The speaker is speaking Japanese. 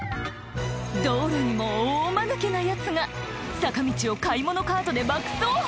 道路にも大マヌケなヤツが坂道を買い物カートで爆走！